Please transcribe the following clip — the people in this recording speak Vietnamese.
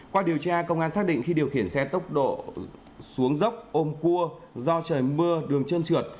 qua điều tra công an xác định khi điều khiển xe tốc độ xuống dốc ôm cua do trời mưa đường trơn trượt